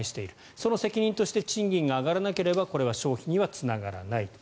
その責任として賃金が上がらなければこれは消費にはつながらないと。